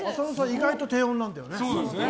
意外と低音なんだよね。